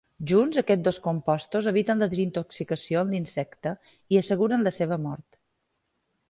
Junts, aquests dos compostos eviten la desintoxicació en l'insecte, i asseguren la seva mort.